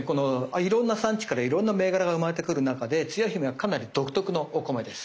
いろんな産地からいろんな銘柄が生まれてくる中でつや姫はかなり独特のお米です。